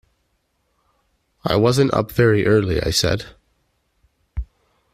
“I wasn't up very early,” I said.